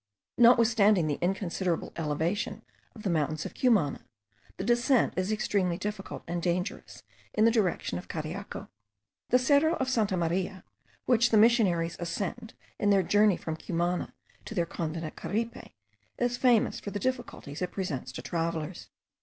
Notwithstanding the inconsiderable elevation of the mountains of Cumana, the descent is extremely difficult and dangerous in the direction of Cariaco. The Cerro of Santa Maria, which the missionaries ascend in their journey from Cumana to their convent at Caripe, is famous for the difficulties it presents to travellers.